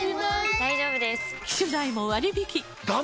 大丈夫です！